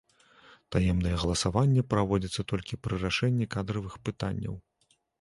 Таемнае галасаванне праводзіцца толькі пры рашэнні кадравых пытанняў.